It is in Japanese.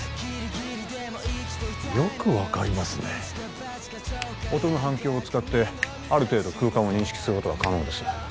よく分かりますね音の反響を使ってある程度空間を認識することが可能です